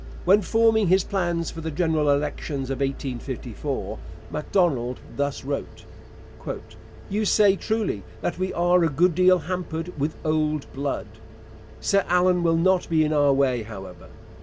When forming his plans for the general elections of 1854, Macdonald thus wrote: You say truly that we are a good deal hampered with 'old blood.' Sir Allan will not be in our way, however.